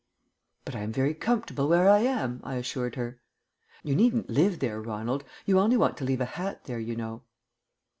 "But I am very comfortable where I am," I assured her. "You needn't live there, Ronald. You only want to leave a hat there, you know."